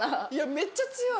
めっちゃ強い。